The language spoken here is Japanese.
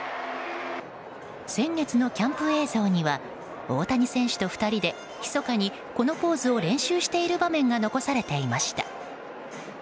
先月のキャンプ映像には大谷選手と２人でひそかにこのポーズを練習している場面が残されていました。